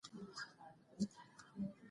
که بزګر وي نو فصل نه وچېږي.